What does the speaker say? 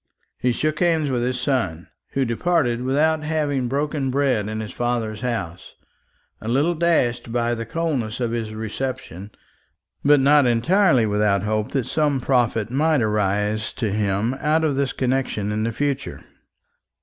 He shook hands with his son, who departed without having broken bread in his father's house, a little dashed by the coldness of his reception, but not entirely without hope that some profit might arise to him out of this connection in the future.